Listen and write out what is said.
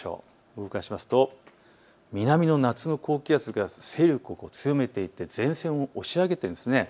動かしますと南の夏の高気圧が勢力を強めていて前線を押し上げているんです。